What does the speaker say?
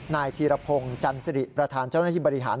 นายธีรพงศ์จันสิริประธานเจ้าหน้าที่บริหาร